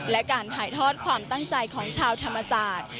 และการถ่ายทอดความตั้งใจของชาวธรรมศาสตร์